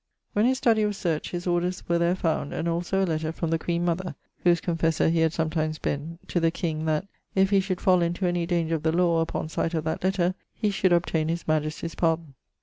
When his studie was searcht, his orders were there found, and also a lettre from the Queen mother, whose confessor he had sometimes been, to the king, that, if he should fall into any danger of the lawe, upon sight of that lettre he should obtaine his majestie's pardon.